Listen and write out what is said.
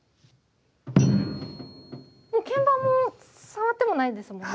鍵盤も触ってもないですもんね。